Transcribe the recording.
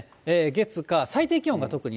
月、火、最低気温が特に。